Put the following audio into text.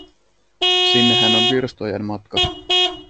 Sinnehän on virstojen matka.